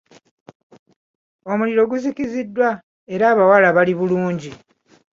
Omuliro guzikiziddwa era abawala bali bulungi.